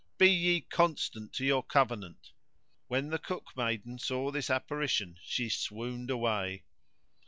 be ye constant to your covenant?" When the cookmaiden saw this apparition she swooned away.